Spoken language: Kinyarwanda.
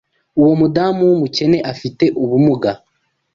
Uwo mudamu wumukene afite ubumuga.